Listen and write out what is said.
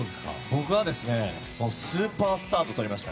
僕はスーパースターと撮りました。